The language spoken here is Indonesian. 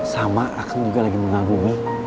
sama aksi juga lagi mengagumi